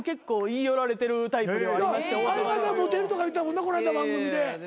相方モテるとか言ったもんなこの間番組で。